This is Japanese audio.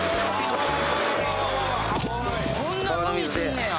こんなふうにすんねや。